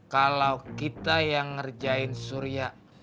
kalau kita yang ngerjain surya